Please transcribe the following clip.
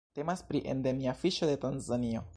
Temas pri endemia fiŝo de Tanzanio.